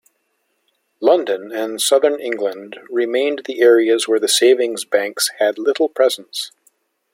London and southern England remained the areas where the savings banks had little presence.